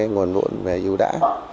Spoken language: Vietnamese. nguồn vốn về dù đã